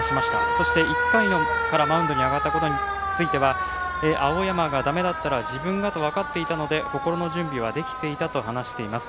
そして１回からマウンドに上がったことについては青山がだめだったら自分がと分かっていたので心の準備はできていたと話しています。